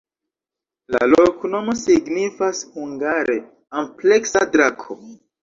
La loknomo signifas hungare: ampleksa-drako.